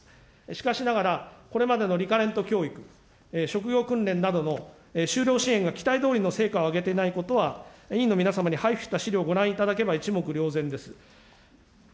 しかしながら、これまでのリカレント教育、職業訓練などの就労支援が期待どおりの成果を上げていないことは、委員の皆様に配付した資料をご覧いただけば一目瞭然です。